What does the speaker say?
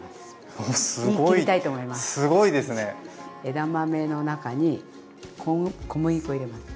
枝豆の中に小麦粉入れます。